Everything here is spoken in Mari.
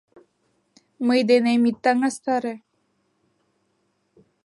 Мый денем ит таҥастаре